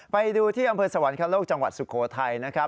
ไปดูที่อำเภอสวรรคโลกจังหวัดสุโขทัยนะครับ